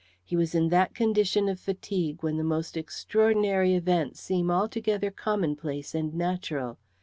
He was in that condition of fatigue when the most extraordinary events seem altogether commonplace and natural.